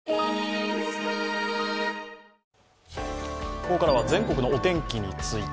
ここからは、全国のお天気について。